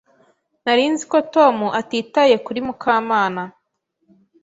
Nari nzi ko Tom atitaye kuri Mukamana.